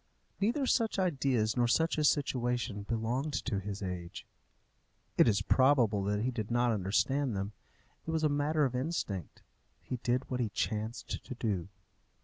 Neither such ideas nor such a situation belonged to his age. It is probable that he did not understand them. It was a matter of instinct. He did what he chanced to do.